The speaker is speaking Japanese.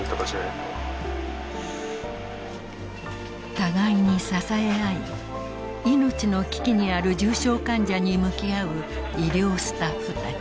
互いに支え合い命の危機にある重症患者に向き合う医療スタッフたち。